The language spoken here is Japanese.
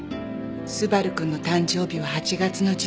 昴くんの誕生日は８月の１３日。